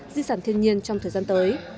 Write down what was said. di sản thiên nhiên trong thời gian tới